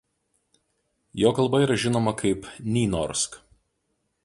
Jo kalba yra žinoma kaip Nynorsk.